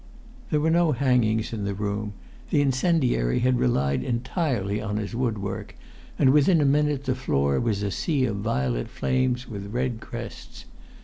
There were no hangings in the room. The incendiary had relied entirely on his woodwork, and within a minute the floor was a sea of violet flames with red crests.